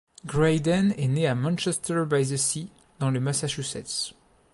Grayden est né à Manchester-by-the-Sea, dans le Massachusetts.